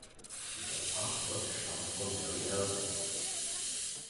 Das Artwork stammt von Larry Elmore.